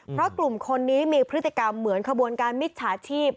เพราะกลุ่มคนนี้มีพฤติกรรมเหมือนขบวนการมิจฉาชีพ